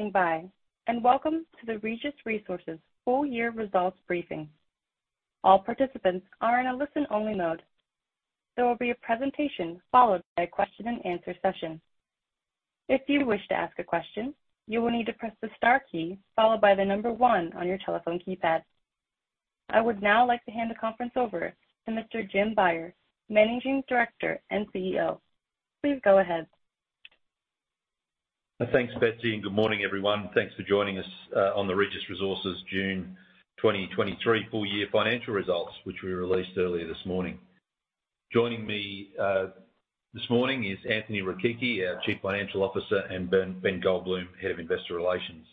Thank you for standing by, and welcome to the Regis Resources full year results briefing. All participants are in a listen-only mode. There will be a presentation, followed by a question and answer session. If you wish to ask a question, you will need to press the star key followed by the number one on your telephone keypad. I would now like to hand the conference over to Mr. Jim Beyer, Managing Director and CEO. Please go ahead. Thanks, Betsy, and good morning, everyone. Thanks for joining us on the Regis Resources June 2023 full year financial results, which we released earlier this morning. Joining me this morning is Anthony Rechichi, our Chief Financial Officer, and Ben, Ben Goldbloom, Head of Investor Relations.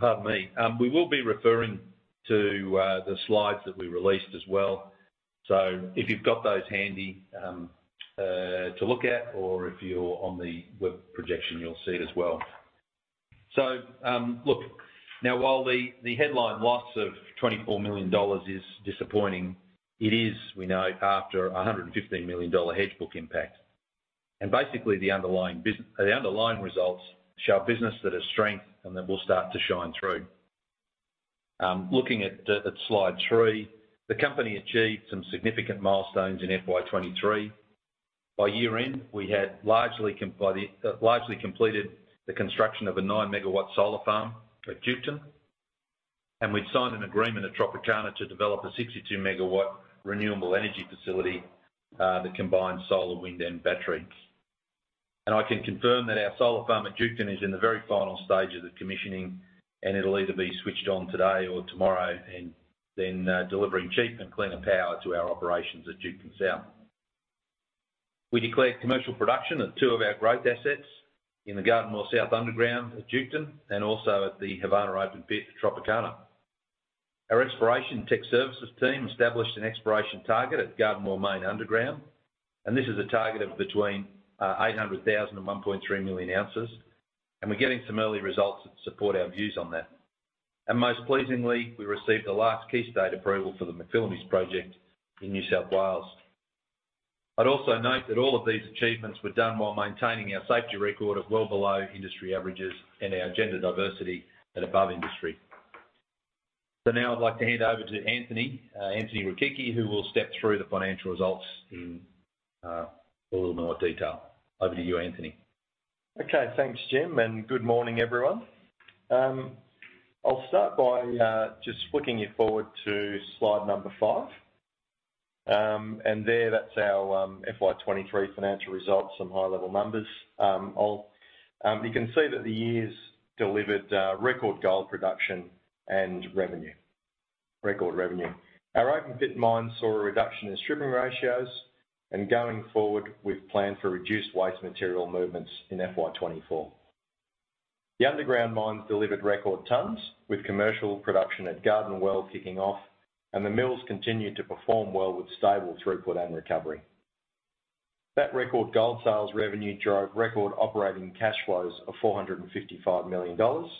Pardon me. We will be referring to the slides that we released as well. So if you've got those handy to look at, or if you're on the web projection, you'll see it as well. So, look, now, while the headline loss of 24 million dollars is disappointing, it is, we know, after a 115 million dollar hedge book impact. And basically, the underlying results show a business that has strength and that will start to shine through. Looking at slide three, the company achieved some significant milestones in FY 2023. By year-end, we had largely completed the construction of a 9-MW solar farm at Duketon, and we'd signed an agreement at Tropicana to develop a 62-MW renewable energy facility that combines solar, wind, and battery. I can confirm that our solar farm at Duketon is in the very final stage of the commissioning, and it'll either be switched on today or tomorrow, and then delivering cheap and cleaner power to our operations at Duketon South. We declared commercial production at two of our growth assets in the Garden Well South Underground at Duketon, and also at the Havana Open Pit at Tropicana. Our exploration tech services team established an exploration target at Garden Well Main Underground, and this is a target of between 800,000 and 1.3 million ounces, and we're getting some early results that support our views on that. Most pleasingly, we received the last key state approval for the McPhillamys project in New South Wales. I'd also note that all of these achievements were done while maintaining our safety record of well below industry averages and our gender diversity at above industry. Now I'd like to hand over to Anthony Rechichi, who will step through the financial results in a little more detail. Over to you, Anthony. Okay. Thanks, Jim, and good morning, everyone. I'll start by just flicking you forward to slide number 5. And there, that's our FY 2023 financial results, some high-level numbers. You can see that the years delivered record gold production and revenue, record revenue. Our open pit mines saw a reduction in stripping ratios, and going forward, we've planned for reduced waste material movements in FY 2024. The underground mines delivered record tons, with commercial production at Garden Well kicking off, and the mills continued to perform well with stable throughput and recovery. That record gold sales revenue drove record operating cash flows of 455 million dollars,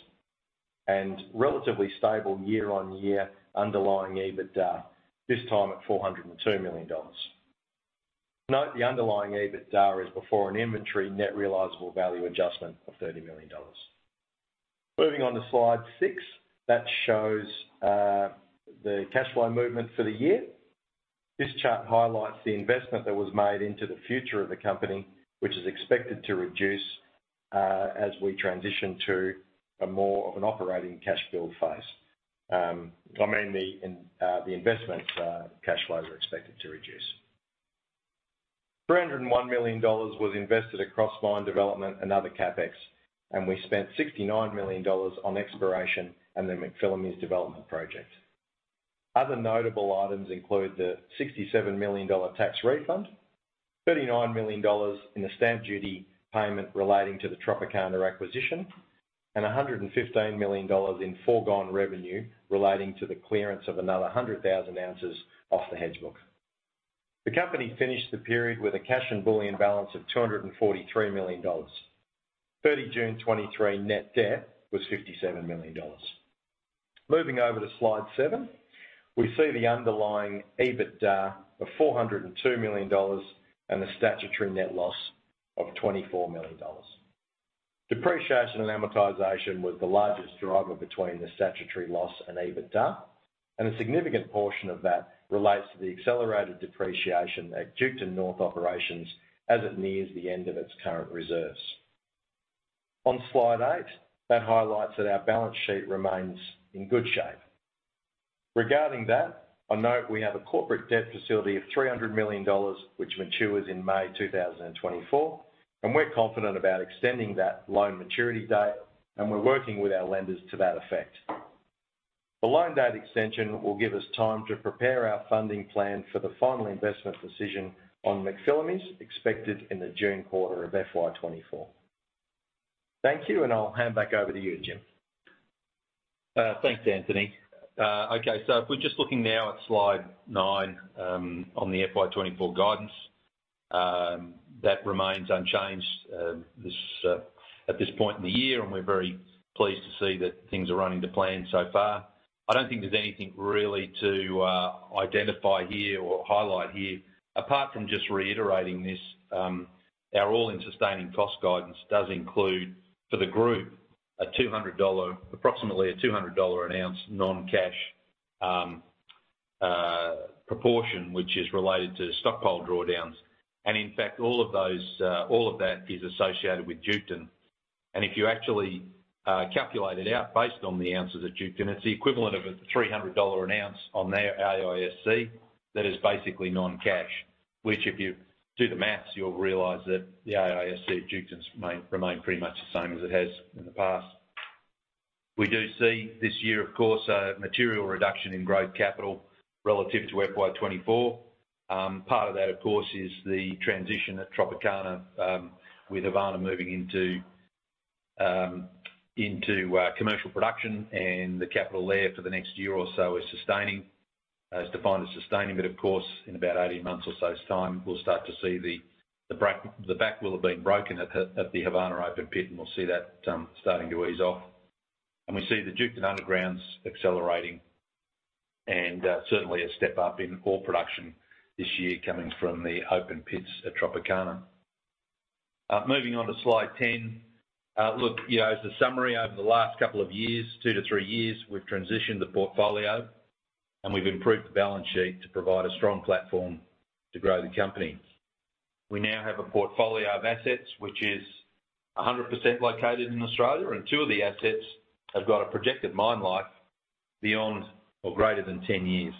and relatively stable year-on-year underlying EBITDA, this time at 402 million dollars. Note, the underlying EBITDA is before an inventory net realizable value adjustment of 30 million dollars. Moving on to slide 6, that shows, the cash flow movement for the year. This chart highlights the investment that was made into the future of the company, which is expected to reduce, as we transition to a more of an operating cash flow phase. I mean, the investments, cash flows are expected to reduce. 301 million dollars was invested across mine development and other CapEx, and we spent 69 million dollars on exploration and the McPhillamys development project. Other notable items include the 67 million dollar tax refund, 39 million dollars in the stamp duty payment relating to the Tropicana acquisition, and 115 million dollars in foregone revenue relating to the clearance of another 100,000 ounces off the hedge book. The company finished the period with a cash and bullion balance of 243 million dollars. 30 June 2023 net debt was 57 million dollars. Moving over to Slide 7, we see the underlying EBITDA of 402 million dollars and the statutory net loss of 24 million dollars. Depreciation and amortization was the largest driver between the statutory loss and EBITDA, and a significant portion of that relates to the accelerated depreciation at Duketon North operations as it nears the end of its current reserves. On Slide 8, that highlights that our balance sheet remains in good shape. Regarding that, I note we have a corporate debt facility of 300 million dollars, which matures in May 2024, and we're confident about extending that loan maturity date, and we're working with our lenders to that effect. The loan date extension will give us time to prepare our funding plan for the final investment decision on McPhillamys, expected in the June quarter of FY 2024. Thank you, and I'll hand back over to you, Jim. Thanks, Anthony. Okay, so if we're just looking now at slide 9, on the FY 2024 guidance, that remains unchanged, this, at this point in the year, and we're very pleased to see that things are running to plan so far. I don't think there's anything really to identify here or highlight here, apart from just reiterating this, our all-in sustaining cost guidance does include, for the group, a $200- approximately a $200 an ounce non-cash proportion, which is related to stockpile drawdowns. And in fact, all of those, all of that is associated with Duketon. And if you actually calculate it out based on the ounces at Duketon, it's the equivalent of a $300 an ounce on the AISC. That is basically non-cash, which, if you do the math, you'll realize that the AISC at Duketon remained pretty much the same as it has in the past. We do see this year, of course, a material reduction in capex relative to FY 2024. Part of that, of course, is the transition at Tropicana, with Havana moving into commercial production, and the capital there for the next year or so is sustaining. As defined as sustaining, but of course, in about 18 months or so's time, we'll start to see the back will have been broken at the Havana open pit, and we'll see that starting to ease off. And we see the Duketon Underground's accelerating, and certainly a step up in ore production this year coming from the open pits at Tropicana. Moving on to slide 10. Look, you know, as a summary, over the last couple of years, 2-3 years, we've transitioned the portfolio, and we've improved the balance sheet to provide a strong platform to grow the company. We now have a portfolio of assets, which is 100% located in Australia, and two of the assets have got a projected mine life beyond or greater than 10 years.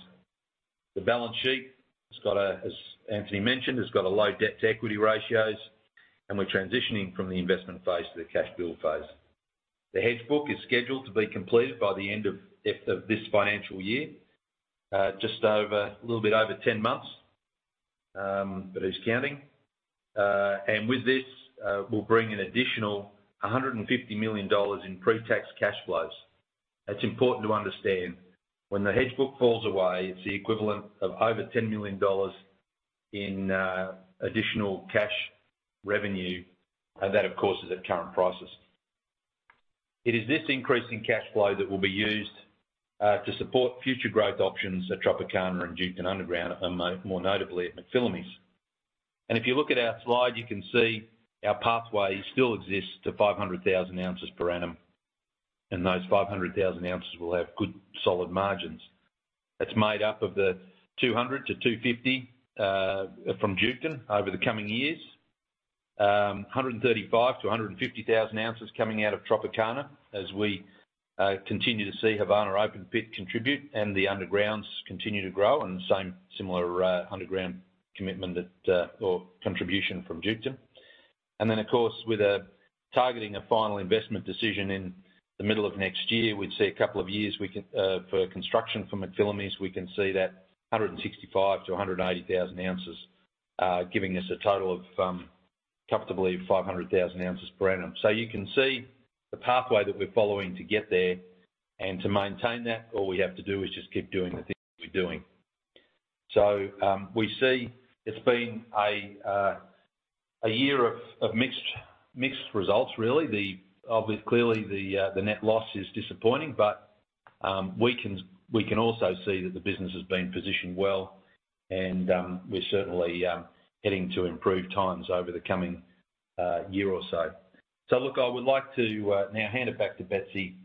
The balance sheet has got a, as Anthony mentioned, has got a low debt-to-equity ratios, and we're transitioning from the investment phase to the cash build phase. The hedge book is scheduled to be completed by the end of this financial year, just over, a little bit over 10 months, but who's counting? And with this, we'll bring an additional 150 million dollars in pre-tax cash flows. That's important to understand. When the hedge book falls away, it's the equivalent of over $10 million in additional cash revenue, and that, of course, is at current prices. It is this increase in cash flow that will be used to support future growth options at Tropicana and Duketon Underground, and more notably at McPhillamys. If you look at our slide, you can see our pathway still exists to 500,000 ounces per annum, and those 500,000 ounces will have good, solid margins. That's made up of the 200-250 from Duketon over the coming years. 135,000-150,000 ounces coming out of Tropicana as we continue to see Havana open pit contribute, and the undergrounds continue to grow, and the same similar underground commitment that or contribution from Duketon. Then, of course, with a targeting a final investment decision in the middle of next year, we'd see a couple of years we can for construction from McPhillamys, we can see that 165,000-180,000 ounces giving us a total of comfortably 500,000 ounces per annum. So you can see the pathway that we're following to get there. To maintain that, all we have to do is just keep doing the things we're doing. So we see it's been a year of mixed results, really. Clearly, the net loss is disappointing, but we can also see that the business has been positioned well, and we're certainly heading to improved times over the coming year or so. So look, I would like to now hand it back to Betsy,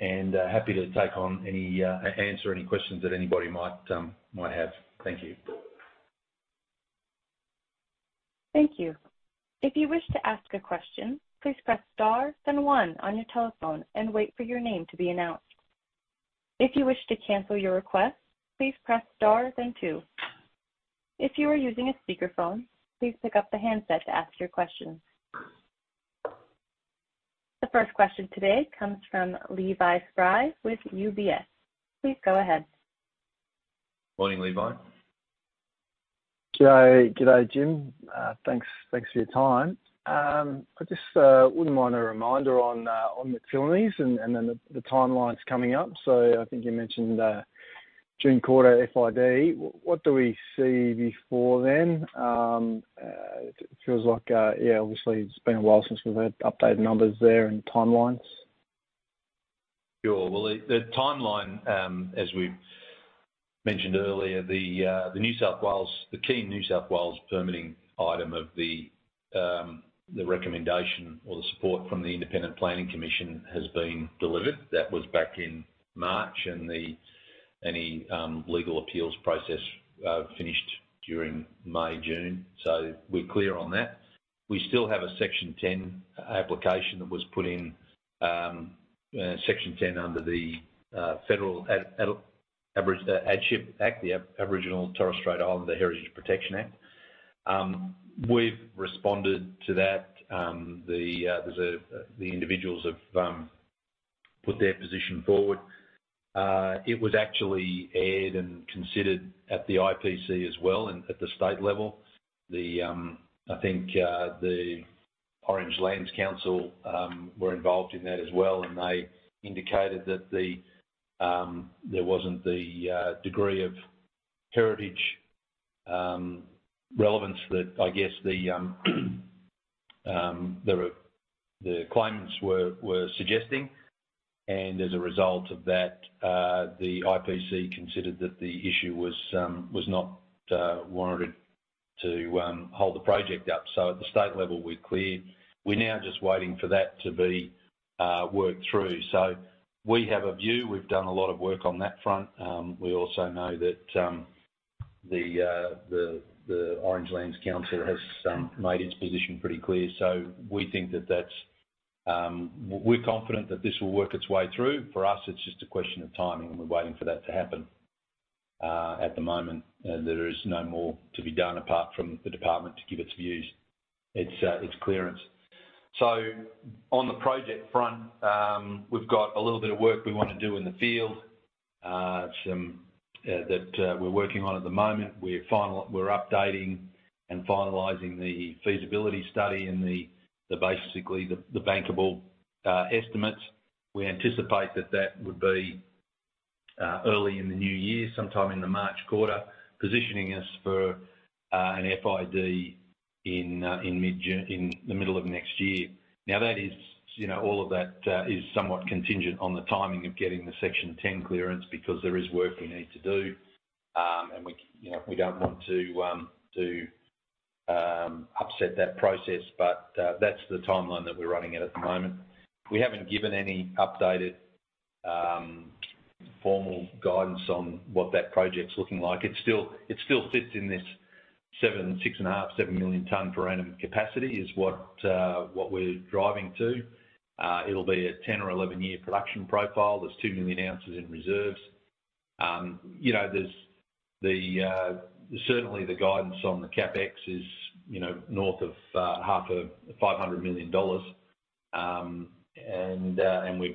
and happy to take on any, answer any questions that anybody might have. Thank you. Thank you. If you wish to ask a question, please press star, then one on your telephone and wait for your name to be announced. If you wish to cancel your request, please press star, then two. If you are using a speakerphone, please pick up the handset to ask your question. The first question today comes from Levi Spry with UBS. Please go ahead. Morning, Levi. G'day, g'day, Jim. Thanks, thanks for your time. I just wouldn't mind a reminder on McPhillamys and then the timelines coming up. So I think you mentioned June quarter FID. What do we see before then? It feels like, yeah, obviously, it's been a while since we've had updated numbers there and timelines. Sure. Well, the timeline, as we've mentioned earlier, the key New South Wales permitting item of the recommendation or the support from the Independent Planning Commission has been delivered. That was back in March, and any legal appeals process finished during May, June. So we're clear on that. We still have a Section Ten application that was put in, Section Ten under the federal Aboriginal and Torres Strait Islander Heritage Protection Act. We've responded to that. The individuals have put their position forward. It was actually aired and considered at the IPC as well, and at the state level. I think the Orange Local Aboriginal Land Council were involved in that as well, and they indicated that there wasn't the degree of heritage relevance that I guess the claimants were suggesting, and as a result of that, the IPC considered that the issue was not warranted to hold the project up. So at the state level, we've cleared. We're now just waiting for that to be worked through. So we have a view. We've done a lot of work on that front. We also know that the Orange Local Aboriginal Land Council has made its position pretty clear. So we think that that's - we're confident that this will work its way through. For us, it's just a question of timing, and we're waiting for that to happen at the moment. And there is no more to be done, apart from the department to give its views, its clearance. So on the project front, we've got a little bit of work we want to do in the field that we're working on at the moment. We're updating and finalizing the feasibility study and basically the bankable estimates. We anticipate that that would be early in the new year, sometime in the March quarter, positioning us for an FID in mid-June, in the middle of next year. Now, that is, you know, all of that is somewhat contingent on the timing of getting the Section Ten clearance because there is work we need to do. We, you know, we don't want to upset that process, but that's the timeline that we're running at the moment. We haven't given any updated formal guidance on what that project's looking like. It still fits in this 6.5-7 million ton per annum capacity, is what we're driving to. It'll be a 10- or 11-year production profile. There's 2 million ounces in reserves. You know, there's certainly the guidance on the CapEx is, you know, north of AUD 500 million.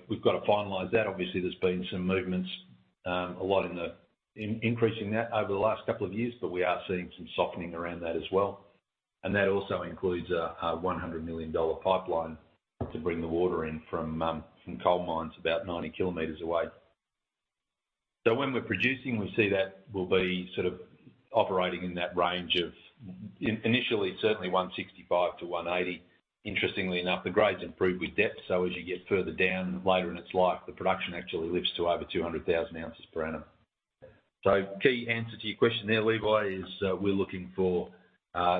We've got to finalize that. Obviously, there's been some movements, a lot in increasing that over the last couple of years, but we are seeing some softening around that as well. That also includes a 100 million dollar pipeline to bring the water in from coal mines about 90 kilometers away. So when we're producing, we see that we'll be sort of operating in that range of initially, certainly 165-180. Interestingly enough, the grades improve with depth, so as you get further down, later in its life, the production actually lifts to over 200,000 ounces per annum. So key answer to your question there, Levi, is we're looking for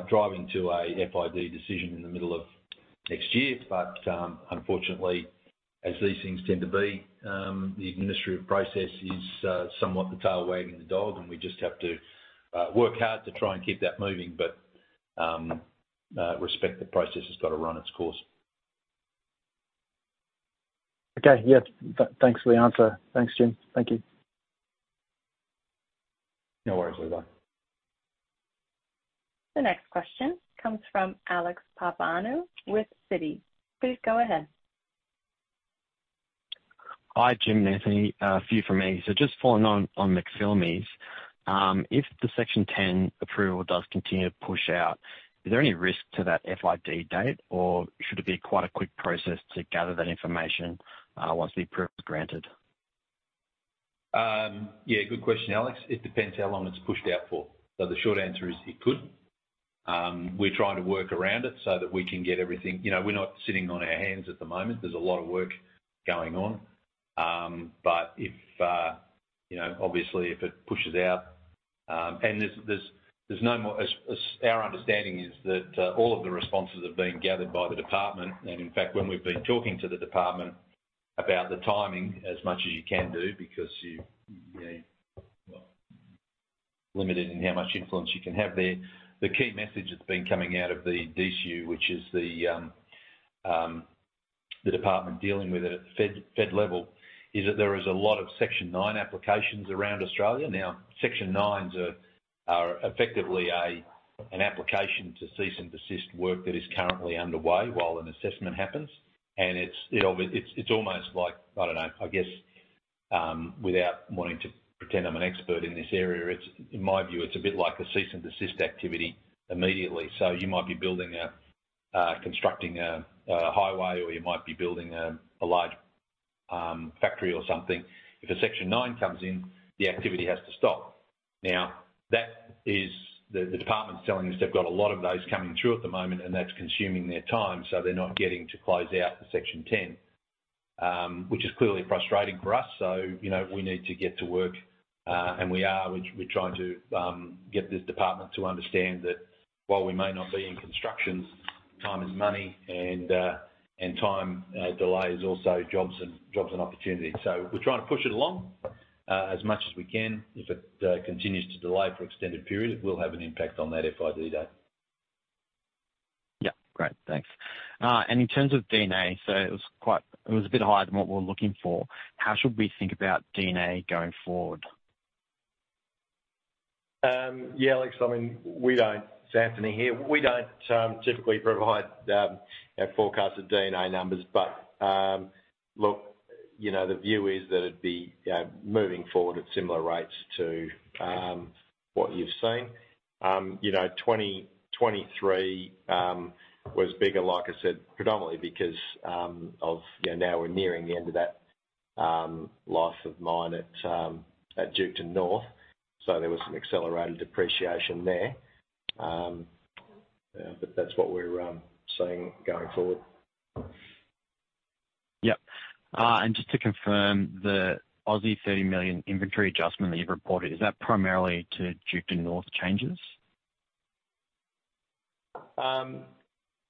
driving to a FID decision in the middle of next year. But unfortunately, as these things tend to be, the administrative process is somewhat the tail wagging the dog, and we just have to work hard to try and keep that moving, but respect the process has got to run its course. Okay. Yeah, thanks for the answer. Thanks, Jim. Thank you. No worries, Levi. The next question comes from Alex Papaioanou with Citi. Please go ahead. Hi, Jim and Anthony. A few from me. So just following on, on McPhillamys, if the Section Ten approval does continue to push out, is there any risk to that FID date, or should it be quite a quick process to gather that information, once the approval is granted? Yeah, good question, Alex. It depends how long it's pushed out for. So the short answer is, it could. We're trying to work around it so that we can get everything... You know, we're not sitting on our hands at the moment. There's a lot of work going on. But if, you know, obviously, if it pushes out, and as our understanding is that all of the responses have been gathered by the department. And in fact, when we've been talking to the department about the timing, as much as you can do, because you know, limited in how much influence you can have there. The key message that's been coming out of the DCU, which is the department dealing with it at the federal level, is that there is a lot of Section Nine applications around Australia. Now, Section Nines are effectively an application to cease and desist work that is currently underway while an assessment happens. And it's, you know, it's almost like, I don't know, I guess, without wanting to pretend I'm an expert in this area, it's, in my view, it's a bit like a cease and desist activity immediately. So you might be building, constructing a highway, or you might be building a large factory or something. If a Section Nine comes in, the activity has to stop. Now, that is the department's telling us they've got a lot of those coming through at the moment, and that's consuming their time, so they're not getting to close out the Section Ten, which is clearly frustrating for us, so, you know, we need to get to work, and we are. We're trying to get this department to understand that while we may not be in construction, time is money and time delays also jobs and opportunity. So we're trying to push it along, as much as we can. If it continues to delay for extended period, it will have an impact on that FID date. Yeah. Great, thanks. And in terms of D&A, so it was quite, it was a bit higher than what we're looking for. How should we think about D&A going forward? Yeah, Alex, I mean, we don't... It's Anthony here. We don't typically provide our forecast of D&A numbers, but look, you know, the view is that it'd be moving forward at similar rates to what you've seen. You know, 2023 was bigger, like I said, predominantly because of, you know, now we're nearing the end of that life of mine at Duketon North. So there was some accelerated depreciation there. But that's what we're seeing going forward. Yep. And just to confirm, the 30 million inventory adjustment that you've reported, is that primarily to Duketon North changes?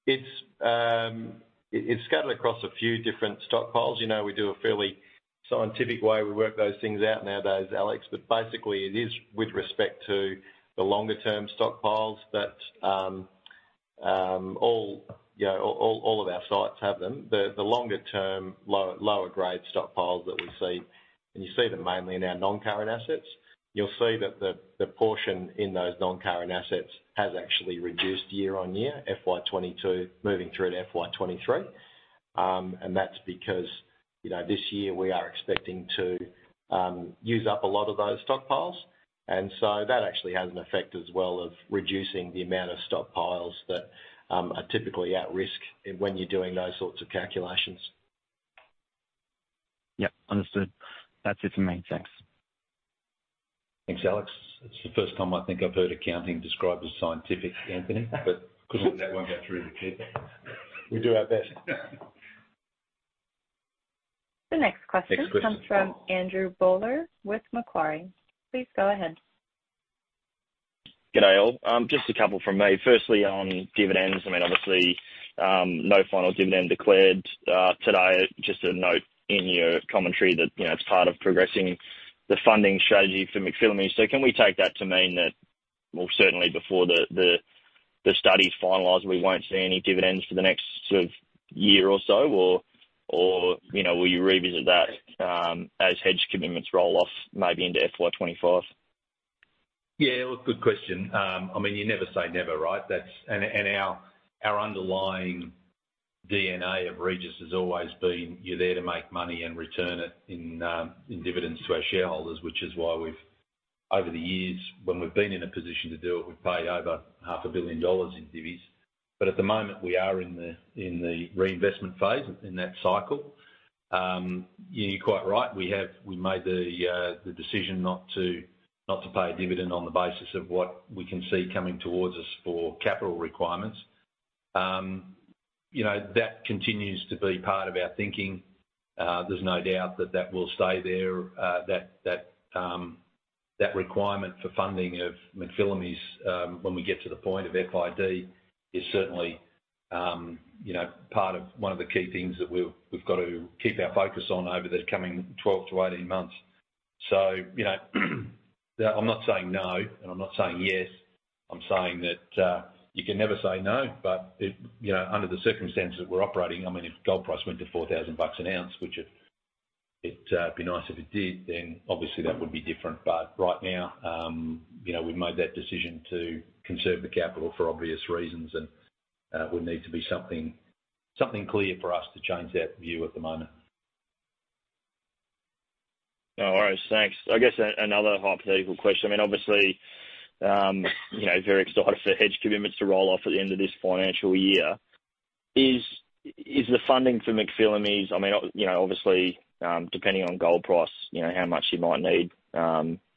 It's scattered across a few different stockpiles. You know, we do a fairly scientific way. We work those things out nowadays, Alex, but basically, it is with respect to the longer-term stockpiles that, you know, all of our sites have them. The longer term, lower grade stockpiles that we see, and you see them mainly in our non-current assets. You'll see that the portion in those non-current assets has actually reduced year on year, FY 22 moving through to FY 23. And that's because, you know, this year we are expecting to use up a lot of those stockpiles, and so that actually has an effect as well of reducing the amount of stockpiles that are typically at risk when you're doing those sorts of calculations. Yep, understood. That's it for me. Thanks. Thanks, Alex. It's the first time I think I've heard accounting described as scientific, Anthony, but couldn't let that one get through to people. We do our best. The next question. Next question. -comes from Andrew Bowler with Macquarie. Please go ahead. G'day, all. Just a couple from me. Firstly, on dividends, I mean, obviously, no final dividend declared, today. Just a note in your commentary that, you know, it's part of progressing the funding strategy for McPhillamys. So can we take that to mean that, well, certainly before the study is finalized, we won't see any dividends for the next sort of year or so? Or, you know, will you revisit that, as hedge commitments roll off, maybe into FY 2025? Yeah, look, good question. I mean, you never say never, right? And our underlying DNA of Regis has always been, you're there to make money and return it in dividends to our shareholders, which is why we've, over the years, when we've been in a position to do it, we've paid over 500 million dollars in divies. But at the moment, we are in the reinvestment phase in that cycle. You're quite right. We made the decision not to pay a dividend on the basis of what we can see coming towards us for capital requirements. You know, that continues to be part of our thinking. There's no doubt that that will stay there, that requirement for funding of McPhillamys, when we get to the point of FID, is certainly, you know, part of one of the key things that we've got to keep our focus on over the coming 12-18 months. So, you know, I'm not saying no, and I'm not saying yes. I'm saying that you can never say no, but it, you know, under the circumstances we're operating, I mean, if gold price went to $4,000 an ounce, which it would be nice if it did, then obviously that would be different. But right now, you know, we've made that decision to conserve the capital for obvious reasons, and would need to be something clear for us to change that view at the moment. All right, thanks. I guess another hypothetical question. I mean, obviously, you know, very excited for hedge commitments to roll off at the end of this financial year. Is the funding for McPhillamys... I mean, obviously, you know, depending on gold price, you know, how much you might need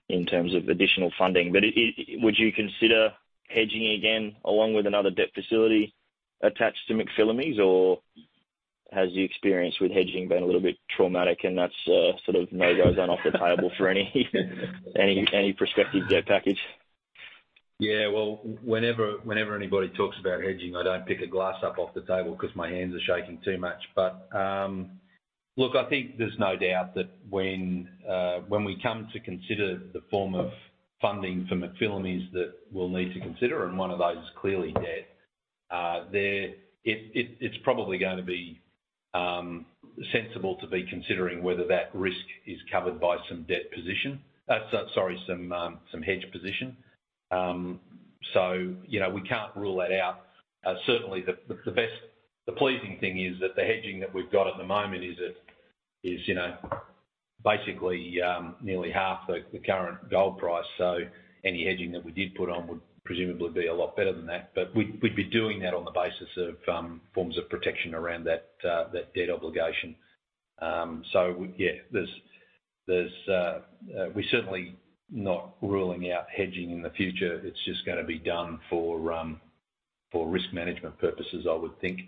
in terms of additional funding, but would you consider hedging again, along with another debt facility attached to McPhillamys? Or has the experience with hedging been a little bit traumatic and that's sort of no-go's off the table for any prospective debt package? Yeah, well, whenever anybody talks about hedging, I don't pick a glass up off the table because my hands are shaking too much. But look, I think there's no doubt that when we come to consider the form of funding for McPhillamys', that we'll need to consider, and one of those is clearly debt. It's probably going to be sensible to be considering whether that risk is covered by some debt position. So sorry, some hedge position. So, you know, we can't rule that out. Certainly the best, the pleasing thing is that the hedging that we've got at the moment is, you know, basically nearly half the current gold price. So any hedging that we did put on would presumably be a lot better than that, but we, we'd be doing that on the basis of, forms of protection around that, that debt obligation. So, yeah, there's, there's, we're certainly not ruling out hedging in the future. It's just gonna be done for, for risk management purposes, I would think.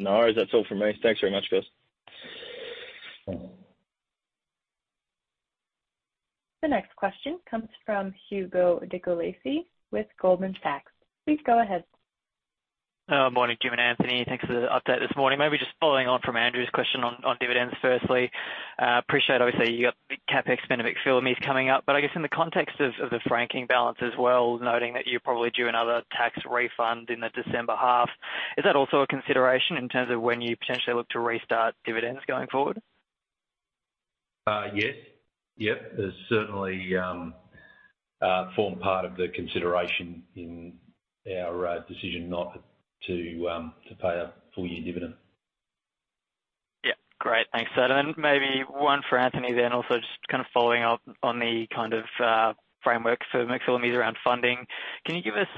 No worries. That's all from me. Thanks very much, guys. The next question comes from Hugo Nicolaci with Goldman Sachs. Please go ahead. Morning, Jim and Anthony. Thanks for the update this morning. Maybe just following on from Andrew's question on dividends, firstly, appreciate, obviously, you got big CapEx spend of McPhillamys coming up, but I guess in the context of the franking balance as well, noting that you're probably due another tax refund in the December half, is that also a consideration in terms of when you potentially look to restart dividends going forward? Yes. Yep, it's certainly form part of the consideration in our decision not to pay a full year dividend. Yeah, great. Thanks for that. And then maybe one for Anthony then, also just kind of following up on the kind of framework for McPhillamys around funding. Can you give us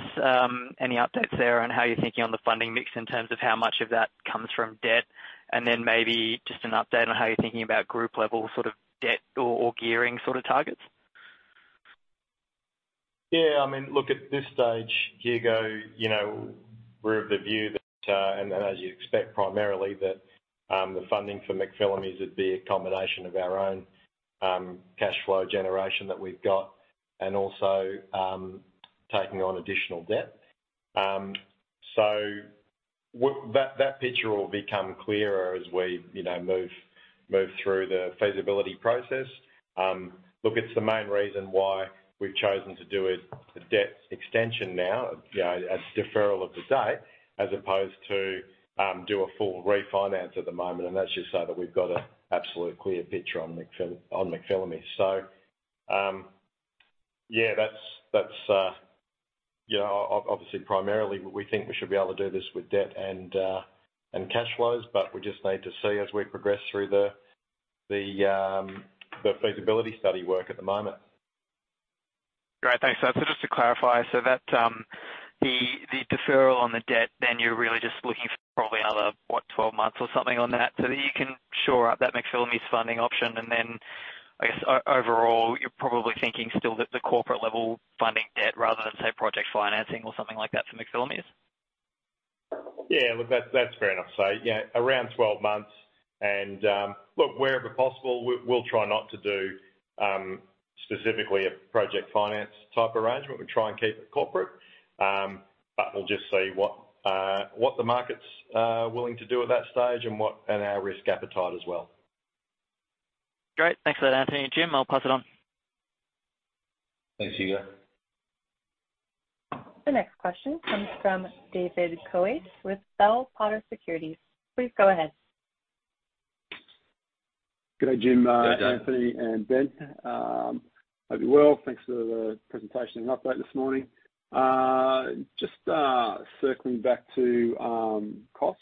any updates there on how you're thinking on the funding mix in terms of how much of that comes from debt? And then maybe just an update on how you're thinking about group level, sort of debt or, or gearing sort of targets?... Yeah, I mean, look, at this stage, Hugo, you know, we're of the view that, and as you'd expect, primarily, that the funding for McPhillamys would be a combination of our own cashflow generation that we've got, and also taking on additional debt. So that picture will become clearer as we, you know, move through the feasibility process. Look, it's the main reason why we've chosen to do it, the debt extension now, you know, as deferral of the date, as opposed to do a full refinance at the moment, and that's just so that we've got an absolutely clear picture on McPhillamys. Yeah, that's, you know, obviously, primarily, we think we should be able to do this with debt and cash flows, but we just need to see as we progress through the feasibility study work at the moment. Great. Thanks, so just to clarify, so that, the, the deferral on the debt, then you're really just looking for probably another, what, 12 months or something on that, so that you can shore up that McPhillamys funding option, and then, I guess, overall, you're probably thinking still that the corporate level funding debt, rather than, say, project financing or something like that for McPhillamys? Yeah, look, that's fair enough. So, yeah, around 12 months and, look, wherever possible, we'll try not to do specifically a project finance type arrangement. We'll try and keep it corporate. But we'll just see what the markets are willing to do at that stage and our risk appetite as well. Great. Thanks for that, Anthony and Jim. I'll pass it on. Thanks, Hugo. The next question comes from David Coates with Bell Potter Securities. Please go ahead. Good day, Jim- Good day. Anthony and Ben. Hope you're well. Thanks for the presentation and update this morning. Just circling back to costs.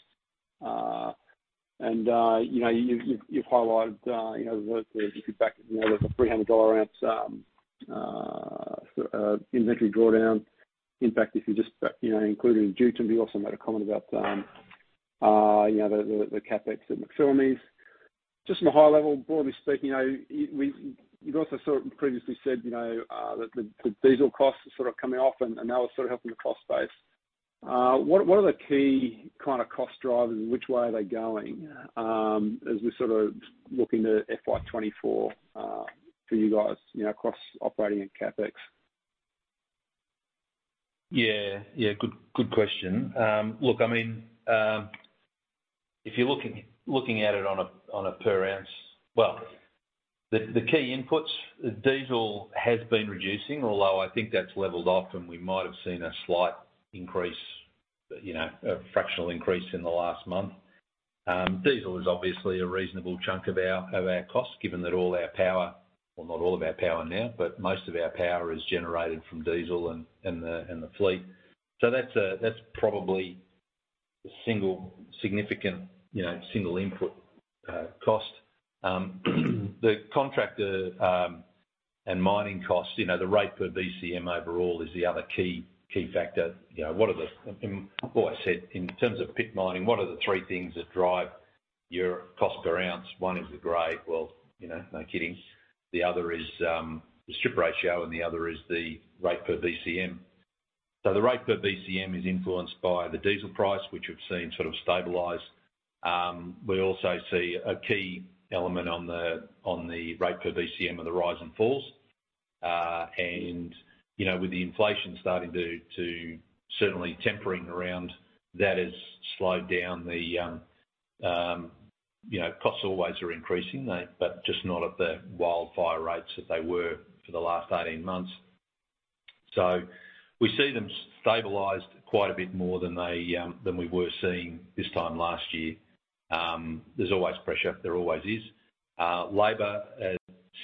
You know, you've highlighted you know the the if you back you know there's a $300 ounce inventory drawdown. In fact if you just you know including Jutin you also made a comment about you know the the the CapEx at McPhillamys. Just from a high level broadly speaking you know you've also sort of previously said you know that the the diesel costs are sort of coming off and and they were sort of helping the cost base. What are the key kind of cost drivers, and which way are they going, as we're sort of looking to FY 2024 for you guys, you know, across operating and CapEx? Yeah, yeah, good, good question. Look, I mean, if you're looking at it on a per ounce... Well, the key inputs, diesel has been reducing, although I think that's leveled off, and we might have seen a slight increase, you know, a fractional increase in the last month. Diesel is obviously a reasonable chunk of our costs, given that all our power, well, not all of our power now, but most of our power is generated from diesel and the fleet. So that's probably the single significant, you know, single input cost. The contractor and mining costs, you know, the rate per BCM overall is the other key factor. You know, what are the, well, I said in terms of pit mining, what are the three things that drive your cost per ounce? One is the grade. Well, you know, no kidding. The other is, the strip ratio, and the other is the rate per BCM. So the rate per BCM is influenced by the diesel price, which we've seen sort of stabilize. We also see a key element on the, on the rate per BCM are the rise and falls. And, you know, with the inflation starting to, to certainly tempering around, that has slowed down the. You know, costs always are increasing, they, but just not at the wildfire rates that they were for the last 18 months. So we see them stabilized quite a bit more than they, than we were seeing this time last year. There's always pressure. There always is. Labor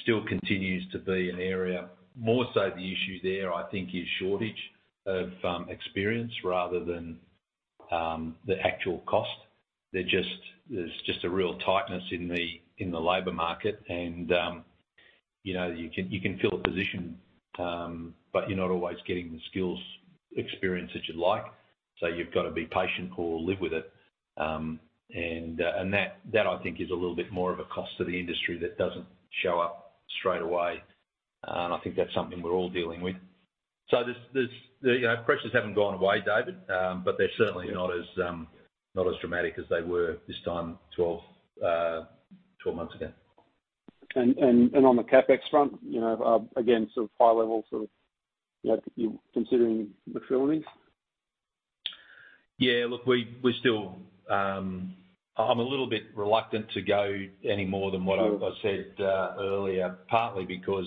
still continues to be an area. More so the issue there, I think, is shortage of experience rather than the actual cost. There just, there's just a real tightness in the labor market and, you know, you can, you can fill a position, but you're not always getting the skills experience that you'd like, so you've got to be patient or live with it. And that I think is a little bit more of a cost to the industry that doesn't show up straight away, and I think that's something we're all dealing with. So there's, there's, you know, pressures haven't gone away, David, but they're certainly not as not as dramatic as they were this time 12 months ago. On the CapEx front, you know, again, sort of high level, sort of, you know, you considering McPhillamys? Yeah, look, we, we're still... I'm a little bit reluctant to go any more than what I- Sure. said earlier, partly because,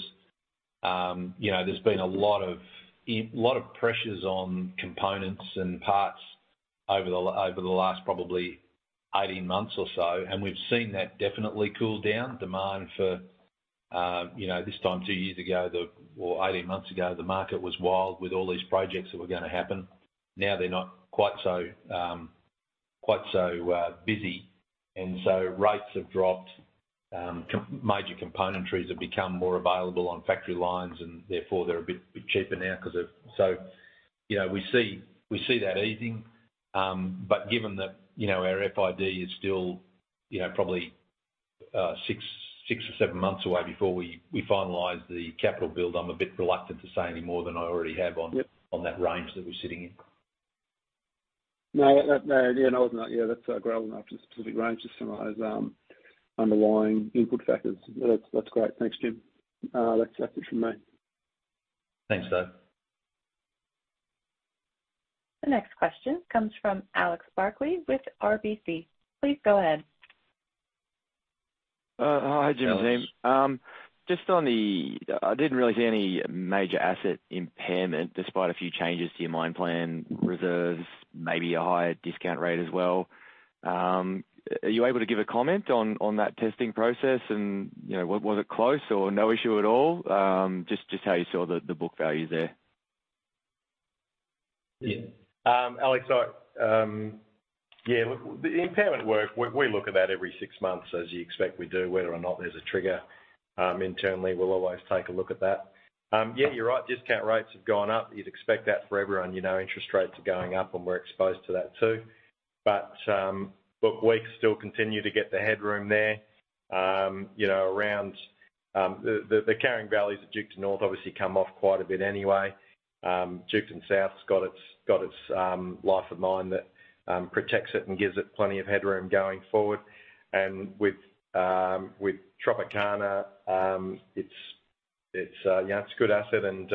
you know, there's been a lot of, a lot of pressures on components and parts over the, over the last probably 18 months or so, and we've seen that definitely cool down. Demand for, you know, this time 2 years ago, the, or 18 months ago, the market was wild with all these projects that were gonna happen. Now, they're not quite so, quite so busy, and so rates have dropped. Major components have become more available on factory lines, and therefore, they're a bit cheaper now because of so, you know, we see that easing. But given that, you know, our FID is still, you know, probably 6 or 7 months away before we finalize the capital build. I'm a bit reluctant to say any more than I already have on- Yep. on that range that we're sitting in. Yeah, that's gravel enough to the specific range, just some of those underlying input factors. That's great. Thanks, Jim. That's it from me. Thanks, Doug. The next question comes from Alex Barkley with RBC. Please go ahead. Hi, Jim and team. Alex. Just on the—I didn't really see any major asset impairment, despite a few changes to your mine plan reserves, maybe a higher discount rate as well. Are you able to give a comment on that testing process? And, you know, was it close or no issue at all? Just how you saw the book values there. Yeah. Alex, so, yeah, look, the impairment work, we, we look at that every six months, as you expect we do. Whether or not there's a trigger, internally, we'll always take a look at that. Yeah, you're right. Discount rates have gone up. You'd expect that for everyone. You know, interest rates are going up, and we're exposed to that too. But, look, we still continue to get the headroom there, you know, around, the carrying values of Duketon North obviously come off quite a bit anyway. Duketon South's got its, got its, life of mine that, protects it and gives it plenty of headroom going forward. And with, with Tropicana, it's, it's, yeah, it's a good asset, and,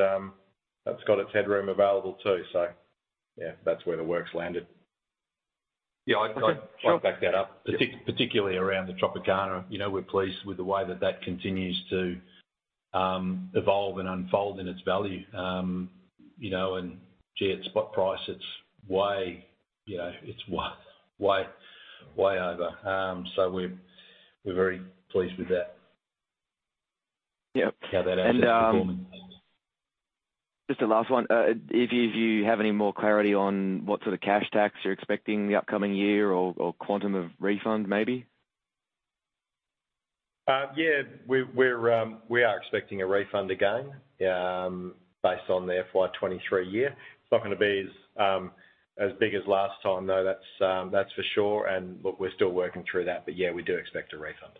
that's got its headroom available too. So yeah, that's where the work's landed. Yeah, I'd back that up. Particularly around the Tropicana. You know, we're pleased with the way that that continues to evolve and unfold in its value. You know, and, gee, at spot price, it's way, you know, it's way, way, way over. So we're, we're very pleased with that. Yep. How that asset's performing? Just a last one. If you have any more clarity on what sort of cash tax you're expecting in the upcoming year or quantum of refund, maybe? Yeah, we're expecting a refund again based on the FY23 year. It's not going to be as big as last time, though, that's for sure. And look, we're still working through that, but yeah, we do expect a refund.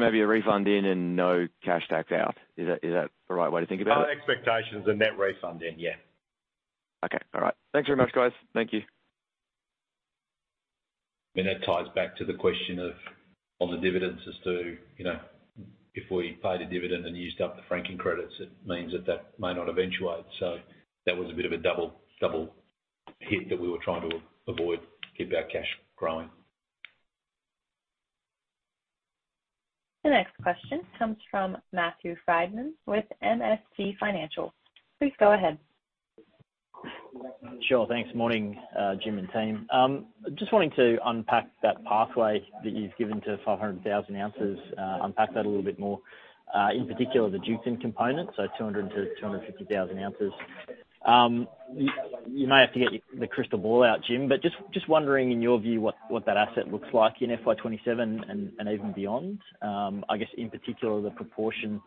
Maybe a refund in and no cash tax out. Is that, is that the right way to think about it? Our expectation is a net refund in, yeah. Okay, all right. Thanks very much, guys. Thank you. That ties back to the question of, on the dividends as to, you know, if we paid a dividend and used up the franking credits, it means that that may not eventuate. So that was a bit of a double, double hit that we were trying to avoid, keep our cash growing. The next question comes from Matthew Frydman with MST Financial. Please go ahead. Sure. Thanks. Morning, Jim and team. Just wanting to unpack that pathway that you've given to 500,000 ounces, unpack that a little bit more, in particular, the Duketon component, so 200,000-250,000 ounces. You may have to get the crystal ball out, Jim, but just wondering, in your view, what that asset looks like in FY 2027 and even beyond? I guess, in particular, the proportion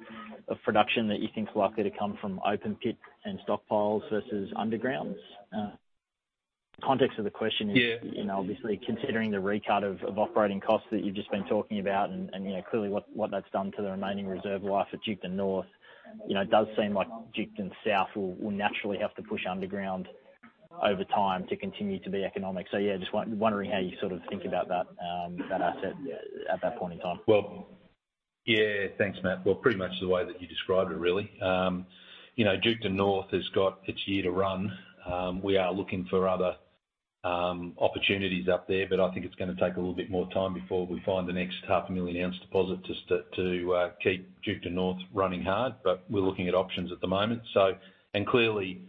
of production that you think is likely to come from open pit and stockpiles versus undergrounds. Context of the question is- Yeah... you know, obviously, considering the recut of operating costs that you've just been talking about and, you know, clearly, what that's done to the remaining reserve life at Duketon North. You know, it does seem like Duketon South will naturally have to push underground over time to continue to be economic. So yeah, just wondering how you sort of think about that, that asset at that point in time. Well, yeah. Thanks, Matt. Well, pretty much the way that you described it, really. You know, Duketon North has got its year to run. We are looking for other opportunities up there, but I think it's going to take a little bit more time before we find the next 500,000-ounce deposit to keep Duketon North running hard. But we're looking at options at the moment. So, and clearly,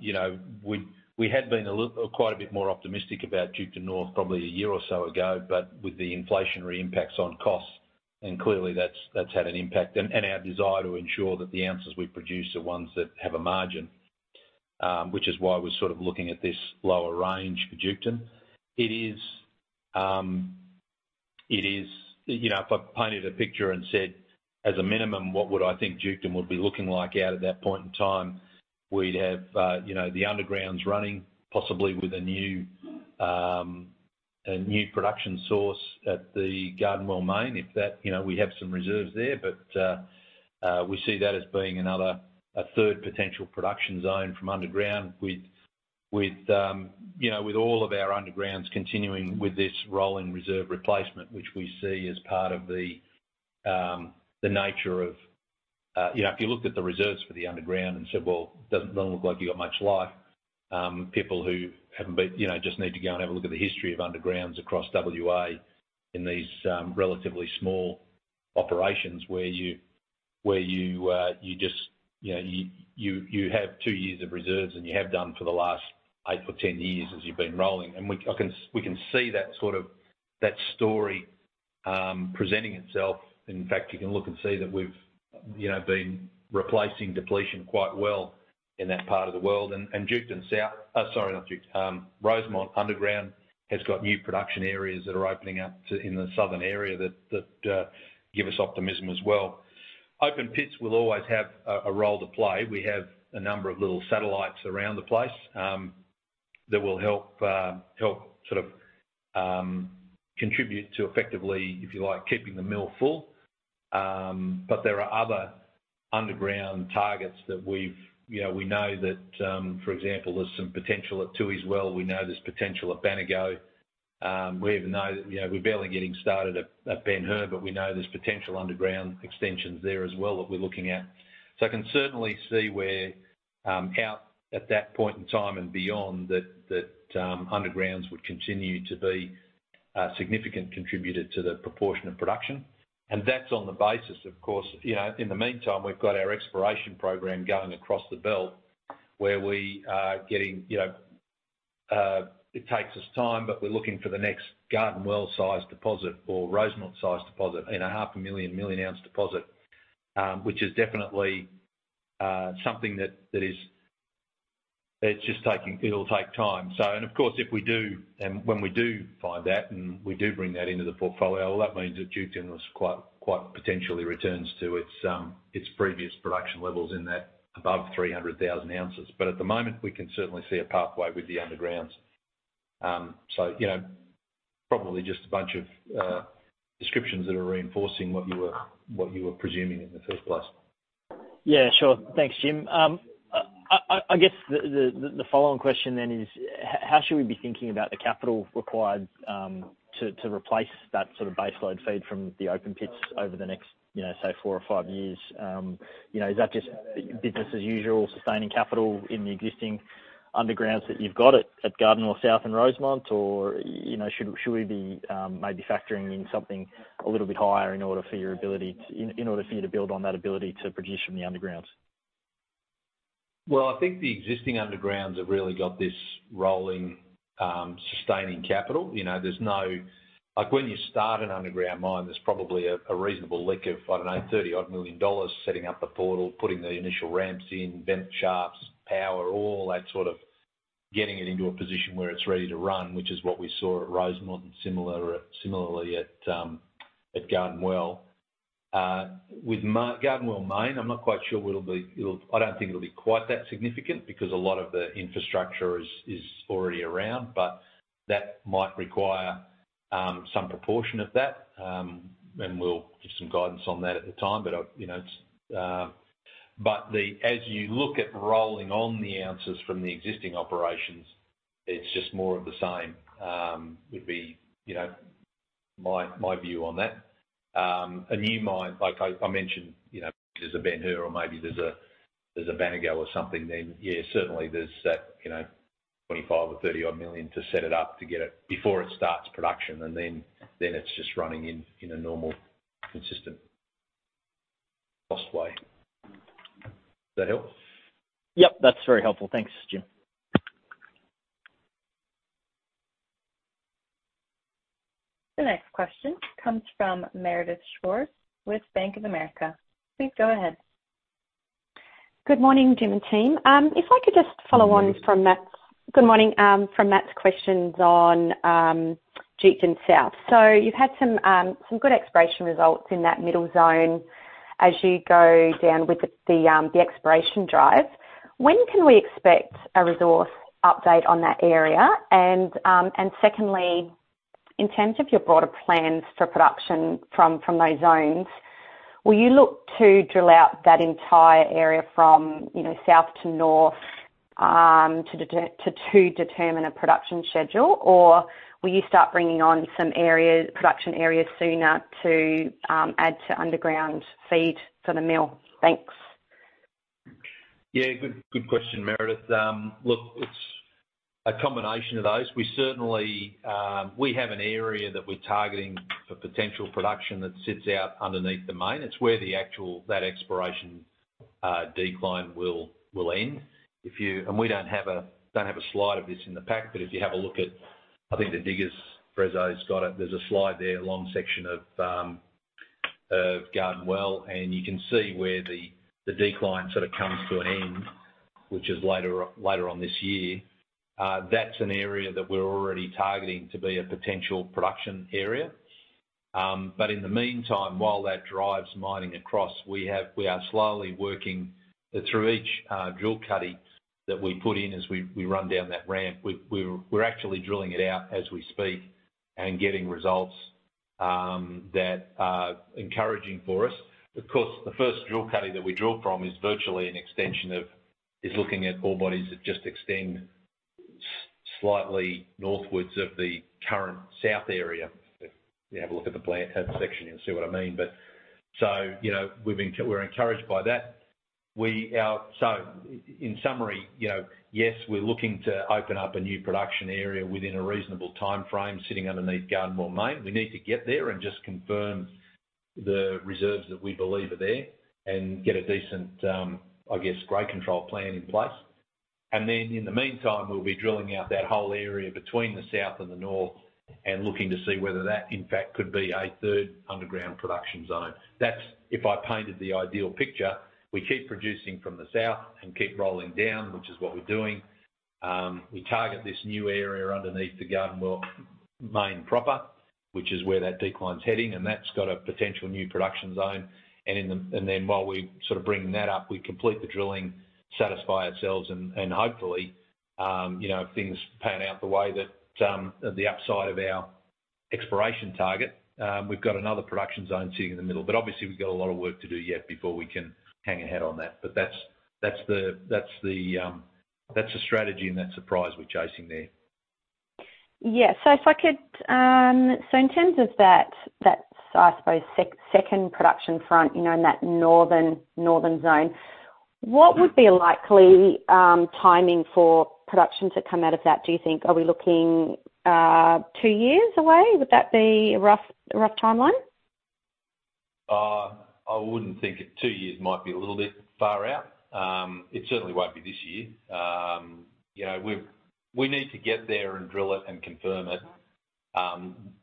you know, we had been a little, quite a bit more optimistic about Duketon North probably a year or so ago, but with the inflationary impacts on costs, and clearly, that's had an impact. And our desire to ensure that the ounces we produce are ones that have a margin, which is why we're sort of looking at this lower range for Duketon. It is, you know, if I painted a picture and said, as a minimum, what would I think Duketon would be looking like out at that point in time? We'd have, you know, the undergrounds running, possibly with a new production source at the Garden Well Main. If that, you know, we have some reserves there, but, we see that as being another, a third potential production zone from underground with, you know, with all of our undergrounds continuing with this rolling reserve replacement, which we see as part of the nature of... You know, if you looked at the reserves for the underground and said, "Well, doesn't look like you got much life," people who haven't been, you know, just need to go and have a look at the history of undergrounds across WA in these relatively small operations where you just, you know, have 2 years of reserves, and you have done for the last 8 or 10 years as you've been rolling. And we can see that sort of, that story presenting itself. In fact, you can look and see that we've, you know, been replacing depletion quite well in that part of the world. Duketon South, Rosemont Underground has got new production areas that are opening up in the southern area that give us optimism as well. Open pits will always have a role to play. We have a number of little satellites around the place that will help sort of contribute to effectively, if you like, keeping the mill full. But there are other underground targets that we've, you know, we know that, for example, there's some potential at Tooheys as well. We know there's potential at Baneygo. We even know, you know, we're barely getting started at Ben Hur, but we know there's potential underground extensions there as well that we're looking at. So I can certainly see where out at that point in time and beyond, that undergrounds would continue to be a significant contributor to the proportion of production. And that's on the basis, of course, you know, in the meantime, we've got our exploration program going across the belt, where we are getting, you know, it takes us time, but we're looking for the next Garden Well-sized deposit or Rosemont-sized deposit in a 500,000-1,000,000 ounce deposit. Which is definitely something that is. It's just taking—it'll take time. So, and of course, if we do and when we do find that, and we do bring that into the portfolio, well, that means that Duketon was quite, quite potentially returns to its its previous production levels in that above 300,000 ounces. But at the moment, we can certainly see a pathway with the undergrounds. So, you know, probably just a bunch of descriptions that are reinforcing what you were presuming in the first place. Yeah, sure. Thanks, Jim. I guess the follow-on question then is, how should we be thinking about the capital required to replace that sort of baseload feed from the open pits over the next, you know, say, four or five years? You know, is that just business as usual, sustaining capital in the existing undergrounds that you've got at Garden Well South and Rosemont? Or, you know, should we be maybe factoring in something a little bit higher in order for your ability to... In order for you to build on that ability to produce from the undergrounds? Well, I think the existing undergrounds have really got this rolling, sustaining capital. You know, there's no—like, when you start an underground mine, there's probably a reasonable lick of, I don't know, 30-odd million dollars, setting up the portal, putting the initial ramps in, vent shafts, power, all that sort of getting it into a position where it's ready to run, which is what we saw at Rosemont, and similarly at Garden Well. With Garden Well Main, I'm not quite sure it'll be quite that significant because a lot of the infrastructure is already around, but that might require some proportion of that. And we'll give some guidance on that at the time. But, you know, it's, but the as you look at rolling on the ounces from the existing operations, it's just more of the same, would be, you know, my, my view on that. A new mine, like I, I mentioned, you know, there's a Ben Hur or maybe there's a, there's a Baneygo or something, then yeah, certainly there's that, you know, 25 million or 30-odd million to set it up, to get it, before it starts production, and then, then it's just running in, in a normal, consistent cost way. Does that help? Yep, that's very helpful. Thanks, Jim. The next question comes from Meredith Schwartz with Bank of America. Please go ahead. Good morning, Jim and team. If I could just follow on from Matt's- Good morning. Good morning, from Matt's questions on Duketon South. So you've had some, some good exploration results in that middle zone as you go down with the, the, the exploration drives. When can we expect a resource update on that area? And, and secondly, in terms of your broader plans for production from, from those zones, will you look to drill out that entire area from, you know, south to north, to deter- to, to determine a production schedule? Or will you start bringing on some areas, production areas sooner to, add to underground feed for the mill? Thanks. Yeah, good, good question, Meredith. Look, it's a combination of those. We certainly, we have an area that we're targeting for potential production that sits out underneath the main. It's where the actual, that exploration, decline will, will end. And we don't have a, don't have a slide of this in the pack, but if you have a look at, I think the diggers, Prezzo's got it. There's a slide there, a long section of, of Garden Well, and you can see where the, the decline sort of comes to an end, which is later, later on this year. That's an area that we're already targeting to be a potential production area. But in the meantime, while that drives mining across, we have—we are slowly working through each drill cutting that we put in as we run down that ramp. We're actually drilling it out as we speak and getting results that are encouraging for us. Of course, the first drill cutting that we drill from is virtually an extension of, is looking at ore bodies that just extend slightly northwards of the current south area. If you have a look at the plant head section, you'll see what I mean. But, so, you know, we've been... We're encouraged by that. So in summary, you know, yes, we're looking to open up a new production area within a reasonable timeframe, sitting underneath Garden Well Main. We need to get there and just confirm the reserves that we believe are there and get a decent, I guess, great control plan in place. And then, in the meantime, we'll be drilling out that whole area between the south and the north and looking to see whether that, in fact, could be a third underground production zone. That's, if I painted the ideal picture, we keep producing from the south and keep rolling down, which is what we're doing. We target this new area underneath the Garden Well Main, which is where that decline's heading, and that's got a potential new production zone. And then while we sort of bring that up, we complete the drilling, satisfy ourselves, and hopefully, you know, if things pan out the way that the upside of our exploration target, we've got another production zone sitting in the middle. But obviously, we've got a lot of work to do yet before we can hang a hat on that. But that's the strategy and that's the prize we're chasing there. Yeah. So if I could, so in terms of that, I suppose, second production front, you know, in that northern zone, what would be a likely timing for production to come out of that, do you think? Are we looking, 2 years away? Would that be a rough, a rough timeline? I wouldn't think it... Two years might be a little bit far out. It certainly won't be this year. You know, we need to get there and drill it and confirm it.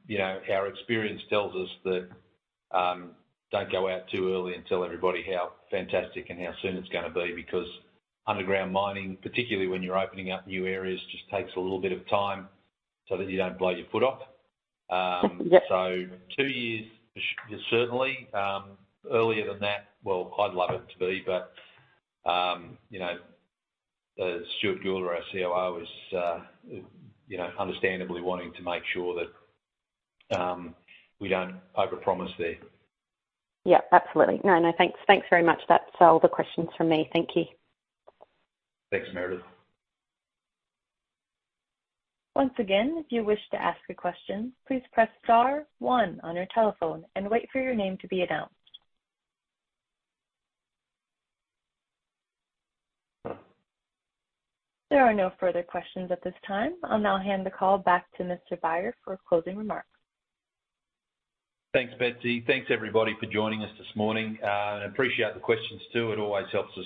You know, our experience tells us that, don't go out too early and tell everybody how fantastic and how soon it's gonna be because underground mining, particularly when you're opening up new areas, just takes a little bit of time so that you don't blow your foot off. Yep. So two years, certainly. Earlier than that, well, I'd love it to be, but, you know, Stuart Gula, our COO, is, you know, understandably wanting to make sure that we don't overpromise there. Yep, absolutely. No, no, thanks. Thanks very much. That's all the questions from me. Thank you. Thanks, Meredith. Once again, if you wish to ask a question, please press star one on your telephone and wait for your name to be announced. There are no further questions at this time. I'll now hand the call back to Mr. Beyer for closing remarks. Thanks, Betsy. Thanks, everybody, for joining us this morning. I appreciate the questions, too. It always helps us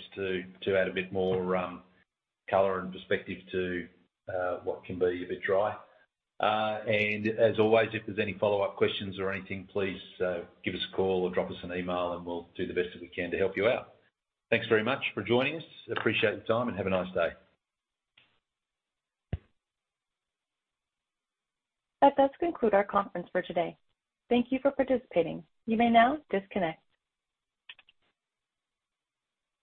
to add a bit more color and perspective to what can be a bit dry. And as always, if there's any follow-up questions or anything, please give us a call or drop us an email, and we'll do the best that we can to help you out. Thanks very much for joining us. Appreciate your time, and have a nice day. That does conclude our conference for today. Thank you for participating. You may now disconnect.